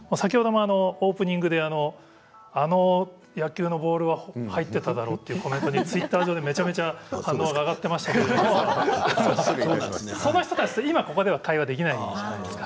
オープニングであの野球のボールは入っていただろうっていうコメントにツイッター上にめちゃめちゃ上がっていましたけれどその人たちとはここでは対話できないですよね。